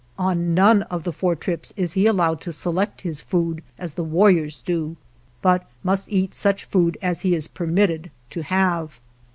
On none of the four trips is he allowed to select his food as the warriors do, but must eat such food as he is permitted to have.